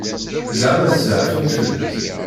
Ẓeɛma tzeɛfem fell-as?